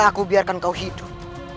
aku biarkan kau hidup